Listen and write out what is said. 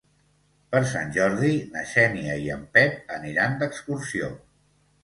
Per Sant Jordi na Xènia i en Pep aniran d'excursió.